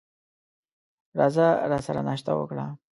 راځه راسره ناشته وکړه !